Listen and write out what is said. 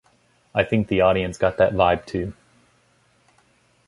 I think the audience got that vibe, to.